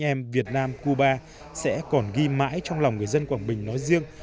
hai dân tộc anh em việt nam cuba sẽ còn ghi mãi trong lòng người dân quảng bình nói riêng